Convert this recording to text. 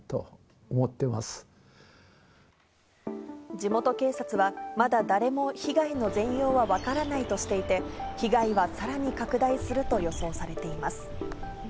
地元警察は、まだ誰も被害の全容はわからないとしていて、被害はさらに拡大すると予想されています。